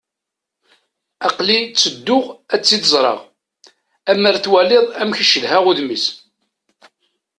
Aql-i tedduɣ ad tt-id-ẓreɣ. Ammer ad twaliḍ amek i cedhaɣ udem-is.